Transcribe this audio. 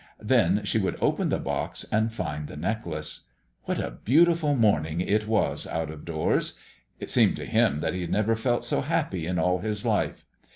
Then she would open the box and find the necklace. What a beautiful morning it was out of doors. It seemed to him that he had never felt so happy in all his life.